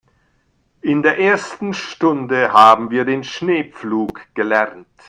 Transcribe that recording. In der ersten Stunde haben wir den Schneepflug gelernt.